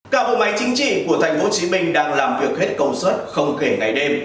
các bộ máy chính trị của tp hcm đang làm việc hết công suất không kể ngày đêm